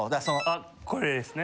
あこれですね。